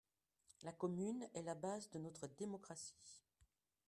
La commune est la base de notre démocratie.